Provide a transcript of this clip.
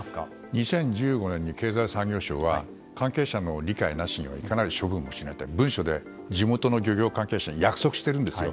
２０１５年に経済産業省は関係者の理解なしにはいかなる処分をしないと文書で地元の漁業関係者に約束しているんですよ。